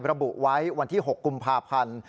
ระบุไว้วันที่๖กุมภาพันธ์